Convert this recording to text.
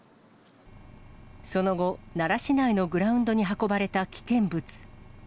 その後、奈良市内のグラウンドに運ばれた危険物。